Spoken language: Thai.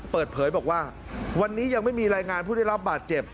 เปิดเผยบอกว่าวันนี้ยังไม่มีรายงานผู้ได้รับบาดเจ็บ